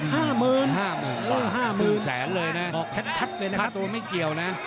๕๐๐๐๐บาทครึ่งแสนเลยนะบอกชัดเลยนะครับฆ่าตัวไม่เกี่ยวนะ